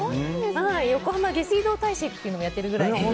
横浜下水道大使というのをやっているぐらい。